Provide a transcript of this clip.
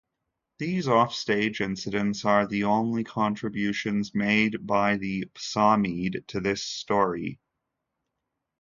These offstage incidents are the only contributions made by the Psammead to this story.